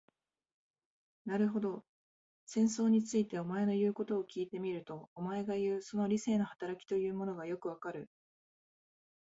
なるほど、戦争について、お前の言うことを聞いてみると、お前がいう、その理性の働きというものもよくわかる。